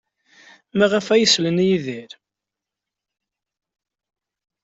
Maɣef ay sellen i Yidir?